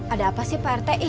ada apa sih prt